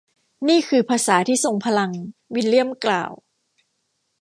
นี่คือภาษาที่ทรงพลัง วิลเลียมกล่าว